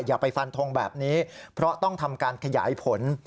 อย่าไปฟันทงแบบนี้เพราะต้องทำการขยายผล